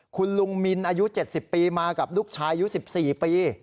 คุณลุงมินอายุ๗๐ปีมากับลูกชายอายุ๑๔ปี